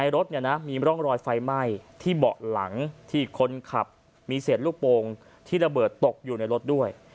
รถมีร่องรอยไฟไหม้ที่เบาะหลังที่คนขับมีเศษลูกโปรงที่ระเบิดตกอยู่ในรถด้วย